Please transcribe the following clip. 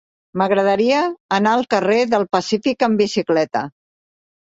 M'agradaria anar al carrer del Pacífic amb bicicleta.